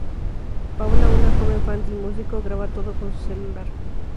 Paula, una joven fan del músico graba todo con su celular.